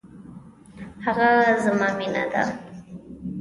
هغه زما مینه ده